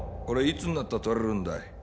これいつになったら取れるんだい？